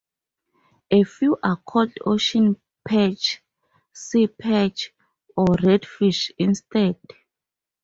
A few are called ocean perch, sea perch or redfish instead.